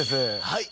はい。